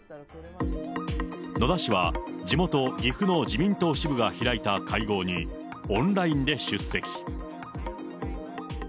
野田氏は、地元、岐阜の自民党支部が開いた会合にオンラインで出席。